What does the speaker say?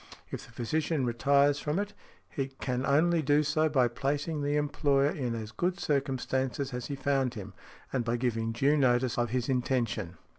If the physician retires from it, he can only do so by placing the employer in as good circumstances as he found him, and by giving due notice of his intention .